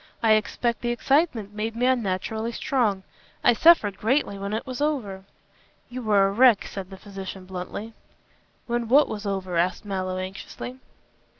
I expect the excitement made me unnaturally strong. I suffered greatly when it was over." "You were a wreck," said the physician bluntly. "When what was over?" asked Mallow, anxiously.